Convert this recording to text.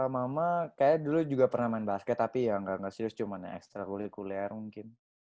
mama kayaknya dulu juga pernah main basket tapi ya gak serius cuma ekstra kulikuler mungkin